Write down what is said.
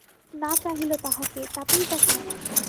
না চাহিল তাহাকে-তাতেই বা কি?